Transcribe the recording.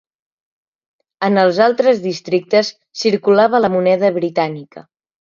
En els altres districtes circulava la moneda britànica.